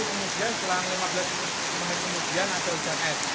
kemudian setelah lima belas menit kemudian ada hujan es